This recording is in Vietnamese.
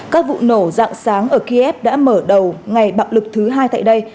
các vụ nổ dạng sáng ở kiev đã mở đầu ngày bạo lực thứ hai tại đây